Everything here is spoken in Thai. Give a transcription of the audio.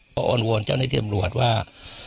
ผมอ้อนเจ้าในที่ธรรมบลอดว่า